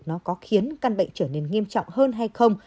nó có khiến căn bệnh trở nên nghiêm trọng hơn hay không